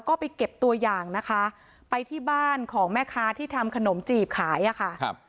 ก็ไปเก็บตัวอย่างนะคะไปที่บ้านของแม่ค้าที่ทำขนมจีบขายอ่ะค่ะครับ